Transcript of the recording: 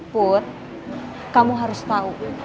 put kamu harus tahu